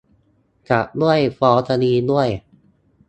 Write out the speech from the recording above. จับด้วย ฟ้องคดีด้วย